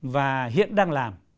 và hiện đang làm